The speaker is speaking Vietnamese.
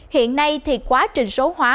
hiện nay thì quá trình số hóa